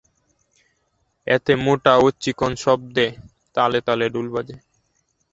এতে মোটা ও চিকন শব্দে তালে তালে ঢোল বাজে।